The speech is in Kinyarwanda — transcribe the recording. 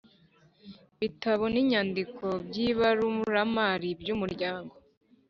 bitabo n inyandiko by ibaruramari by Umuryango